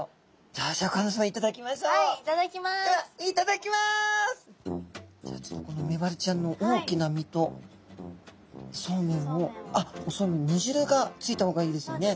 じゃあちょっとこのメバルちゃんの大きな身とそうめんをあっおそうめんの煮汁がついた方がいいですよね。